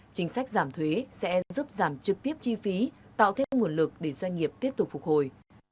chính sách giảm thuế sẽ giúp giảm trực tiếp chi phí tạo thêm nguồn lực để doanh nghiệp tiếp tục phục hồi